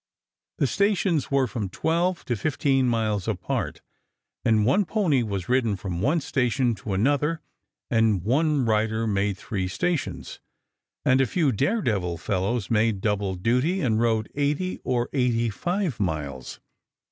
The stations were from twelve to fifteen miles apart, and one pony was ridden from one station to another, and one rider made three stations, and a few dare devil fellows made double duty and rode eighty or eighty five miles.